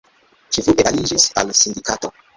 Ŝi frue aliĝis al sindikato.